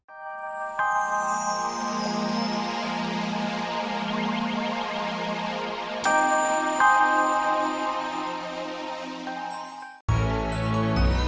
aku harus mengutukkan perbuatan biadab itu